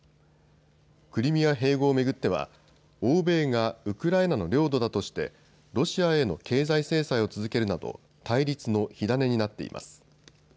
クリミア併合を巡っては欧米がウクライナの領土だとしてロシアへの経済制裁を続けるなど対立の火種になっています。